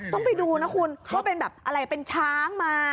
ต้องไปดูนะคุณว่าเป็นแบบอะไรเป็นช้างมา